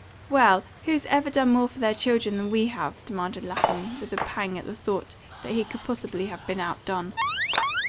"Well, who's ever done more for their children than we have?" demanded Lapham, with a pang at the thought that he could possibly have been out done.